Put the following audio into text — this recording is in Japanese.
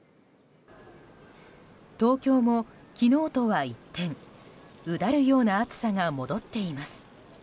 東京も昨日とは一転うだるような暑さが戻っています。